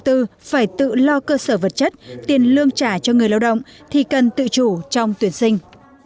tự phải tự lo cơ sở vật chất tiền lương trả cho người lao động thì cần tự chủ trong tuyển sinh